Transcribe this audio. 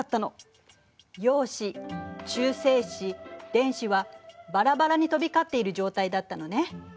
電子はバラバラに飛び交っている状態だったのね。